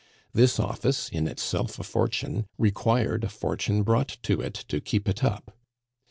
This office, in itself a fortune, required a fortune brought to it to keep it up.